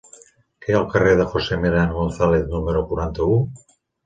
Què hi ha al carrer de José Millán González número quaranta-u?